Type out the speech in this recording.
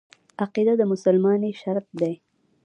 عقیده د مسلمانۍ شرط دی.